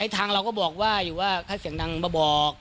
ทางเราก็บอกว่าอยู่ว่าถ้าเสียงดังมาบอก